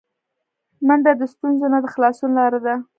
منډه د ستونزو نه د خلاصون لاره ده